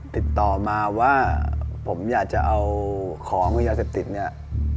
ติดต่อมาว่าผมอยากจะเอาของยาเสพติดเนี่ย